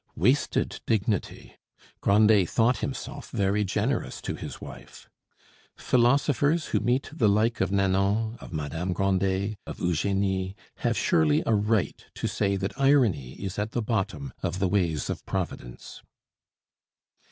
Wasted dignity! Grandet thought himself very generous to his wife. Philosophers who meet the like of Nanon, of Madame Grandet, of Eugenie, have surely a right to say that irony is at the bottom of the ways of Providence.